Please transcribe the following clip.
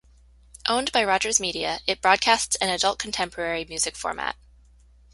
Owned by Rogers Media, it broadcasts an adult contemporary music format.